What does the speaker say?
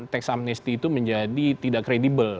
teks amnesty itu menjadi tidak kredibel